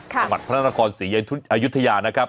ประมาทพระนาคารศรีอยุธยานะครับ